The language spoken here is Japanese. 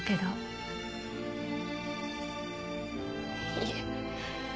いえ。